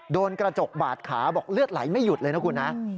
โดนกระจกบาดขาบอกเลือดไหลไม่หยุดเลยนะคุณนะ